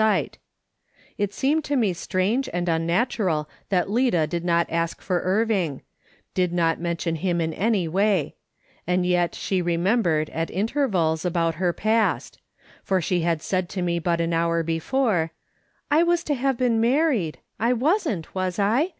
sight It seemed to me strange and unnatural that Lida did not ask for Irving ; did not mention him in any way ; and yet she remembered, at intervals, about her past ; for she had said to me but an hour before :" I was to have been married. I wasn't, was I